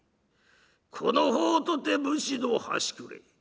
この方とて武士の端くれ。